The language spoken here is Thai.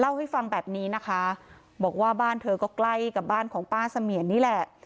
เล่าให้ฟังแบบนี้นะคะบอกว่าบ้านเธอก็ใกล้กับบ้านของป้าเสมียนนี่แหละ